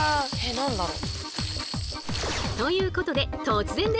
何だろう？